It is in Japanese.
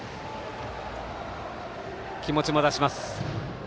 気持ちも出します。